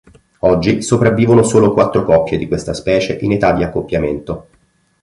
Oggi sopravvivono solo quattro coppie di questa specie in età di accoppiamento.